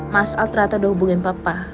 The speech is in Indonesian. mas al ternyata udah hubungin papa